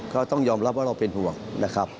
ก็ต้องยอมรับว่าเราเป็นห่วงนะครับ